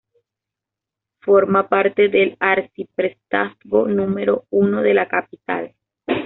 Forma parte del arciprestazgo número uno de la capital.